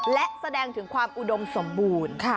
และแสดงถึงความอุดมสมบูรณ์